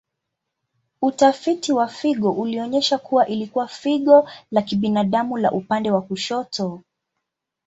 Utafiti wa figo ulionyesha kuwa ilikuwa figo la kibinadamu la upande wa kushoto.